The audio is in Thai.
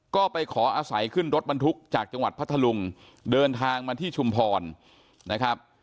ก็ไปขออาศัยขึ้นรถบรรทุกจากจังหวัดพัทธลุงเดินทางมาที่ชุมพรนะครับ